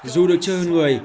dù được chơi hơn người